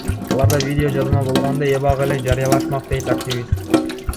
Аларда видео жазма болгондо, эбак эле жарыялашмак, — дейт активист.